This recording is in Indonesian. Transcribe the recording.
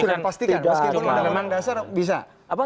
sudah pasti kan meskipun memang dasar bisa